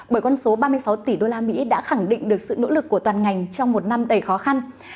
bởi con số ba mươi sáu tỷ đô la mỹ đã khẳng định được sự nỗ lực của toàn ngành trong một năm đầy khó khăn